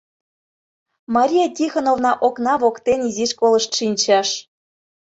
Мария Тихоновна окна воктен изиш колышт шинчыш.